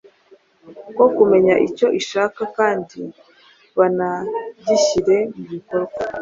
bwo kumenya icyo ishaka kandi banagishyire mu bikorwa.